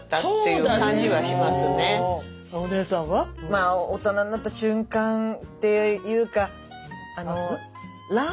まあ大人になった瞬間っていうかえ？